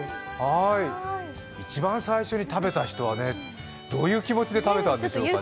一番最初に食べた人はどういう気持ちで食べたんでしょうね。